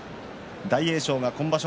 大栄翔が今場所